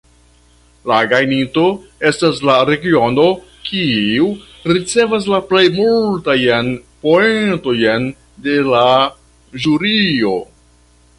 La gajninto estas la regiono kiu ricevas la plej multajn poentojn de la ĵurio.